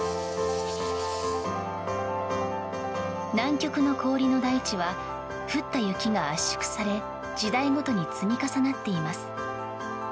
南極の氷の大地は降った雪が圧縮され時代ごとに積み重なっています。